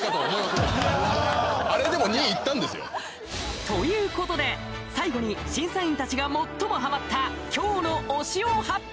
いやっあれでも２いったんですよということで最後に審査員たちが最もハマった今日の推しを発表！